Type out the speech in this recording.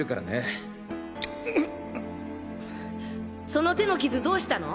その手の傷どうしたの？